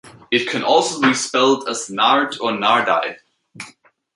It can also be spelt as 'Nard' or 'Nardi'.